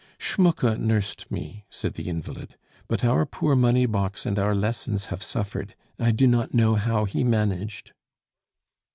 "Schmucke nursed me," said the invalid; "but our poor money box and our lessons have suffered. I do not know how he managed."